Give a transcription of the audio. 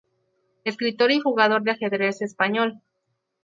Escritor y jugador de ajedrez español.